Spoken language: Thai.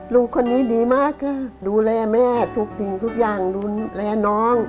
ลูกคนนี้ดีมากค่ะดูแลแม่ทุกสิ่งทุกอย่างดูแลน้อง